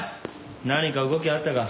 何か動きあったか？